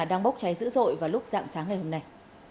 đang bốc cháy dữ dội vào lúc dạng sáng ngày hôm nay